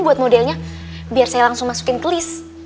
buat modelnya biar saya langsung masukin ke list